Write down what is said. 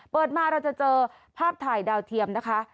เปิดมาเราจะเจอภาพถ่ายดาวเทียมนะคะ